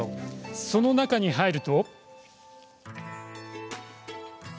その中に入ると。